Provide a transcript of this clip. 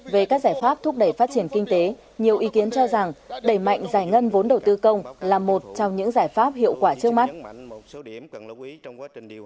về các giải pháp thúc đẩy phát triển kinh tế nhiều ý kiến cho rằng đẩy mạnh giải ngân vốn đầu tư công là một trong những giải pháp hiệu quả trước mắt